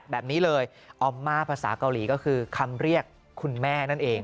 แบบนี้เลยออมมาภาษาเกาหลีก็คือคำเรียกคุณแม่นั่นเอง